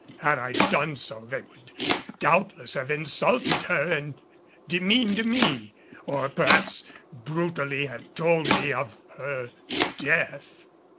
Had I done so they would doubtless have insulted her and demeaned me, or perhaps brutally have told me of her death.